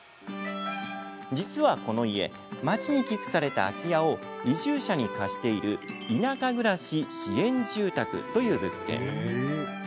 実は、この家町に寄付された空き家を移住者に貸しているいなか暮らし支援住宅という物件。